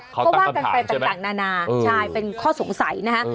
ก็ว่ากันไปต่างนานาใช่เป็นข้อสงสัยนะฮะ